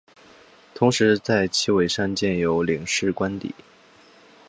同时在旗尾山建有领事官邸。